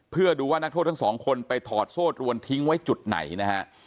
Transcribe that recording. เพื่อดูว่านักโทษทั้งสองคนไปถอดโซ่ตรวนทิ้งไว้จุดไหนนะฮะ